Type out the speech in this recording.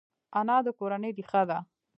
انا د کورنۍ ریښه ده